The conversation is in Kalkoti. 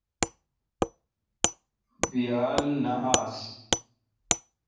بیال نہ آس۔